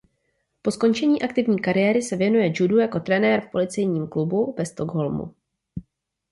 Po skončení aktivní kariéry se věnuje judu jako trenér v policejním klubu ve Stockholmu.